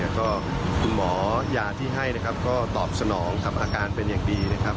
ก็คุณหมอยาที่ให้นะครับก็ตอบสนองกับอาการเป็นอย่างดีนะครับ